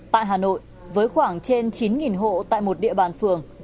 tại hà nội với khoảng trên chín hộ tại một địa bàn phường